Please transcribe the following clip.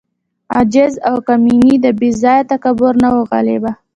عجز او کمیني د بې ځای تکبر نه وه غالبه.